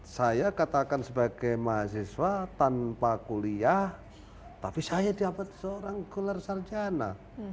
saya katakan sebagai mahasiswa tanpa kuliah tapi saya dapat seorang gelar sarjana